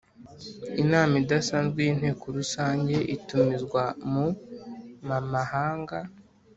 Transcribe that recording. Inama idasanzwe y Inteko Rusange itumizwa mu mamahanga